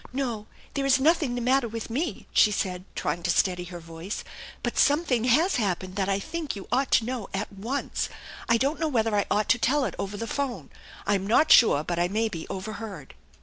" No, there is nothing the matter with me," she said, trying to steady her voice, " but something has happened that I think you ought to know at once. I don't know whether I ought to tell it over the phone. I'm not sure but I may be^ overheard."